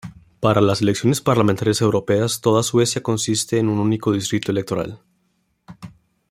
Para las elecciones parlamentarias europeas, toda Suecia consiste en un único distrito electoral.